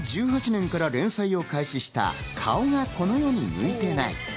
２０１８年から連載を開始した『顔がこの世に向いてない。』。